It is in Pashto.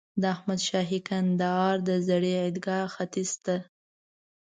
د احمد شاهي کندهار د زړې عیدګاه ختیځ ته.